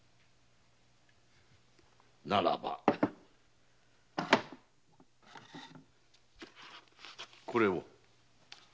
ならばこれを。